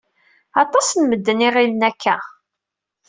Aṭas n medden i iɣillen akka.